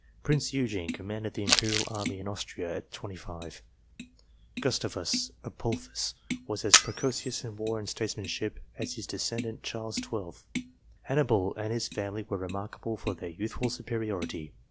Prince Eugene commanded the imperial army in Austria set. 25. Gustavus Adolphus was as precocious in war and statesmanship as his descendant Charles XII. Hannibal and his family were remarkable for their youthful supe riority.